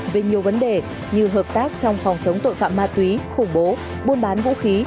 về nhiều vấn đề như hợp tác trong phòng chống tội phạm ma túy khủng bố buôn bán vũ khí